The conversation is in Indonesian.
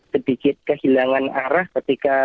sedikit kehilangan arah ketika